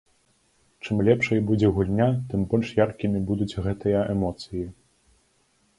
Чым лепшай будзе гульня, тым больш яркімі будуць гэтыя эмоцыі.